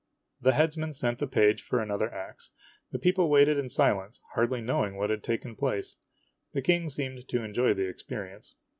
The headsman sent the page for another ax. The people waited in silence, hardly knowing what had taken place. The King seemed to enjoy the experience.